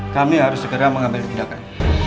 kami harus segera mengambil diri akan